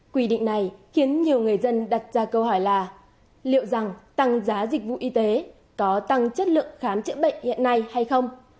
quy định này khiến nhiều người dân đặt ra câu hỏi là liệu rằng tăng giá dịch vụ y tế có tăng chất lượng khám chữa bệnh hiện nay hay không